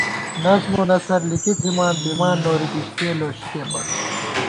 نظم و نثر لِکی تھِمان، دِمان نوری کِشتِیَہ لوشِکےپت